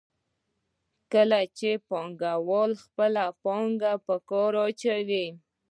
کله چې پانګوال خپله پانګه په کار اچوي